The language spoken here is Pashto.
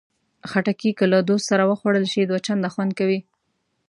خټکی که له دوست سره وخوړل شي، دوه چنده خوند کوي.